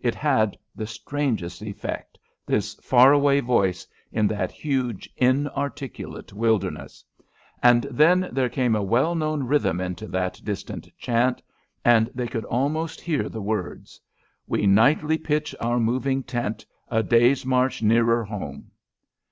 It had the strangest effect, this far away voice, in that huge inarticulate wilderness. And then there came a well known rhythm into that distant chant, and they could almost hear the words: We nightly pitch our moving tent A day's march nearer home.